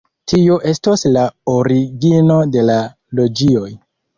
Tio estos la origino de la loĝioj.